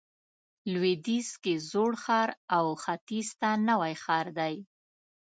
لویدیځ کې زوړ ښار او ختیځ ته نوی ښار دی.